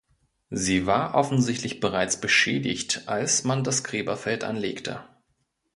Sie war offensichtlich bereits beschädigt als man das Gräberfeld anlegte.